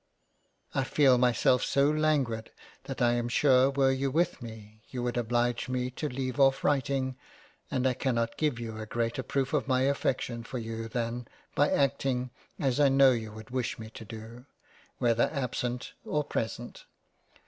— I feel myself so languid that I am sure were you with me you would oblige me to leave off writing, and I cannot give you a greater proof of my affection for you than by acting, as I know you would wish me to do, whether Absent or Present.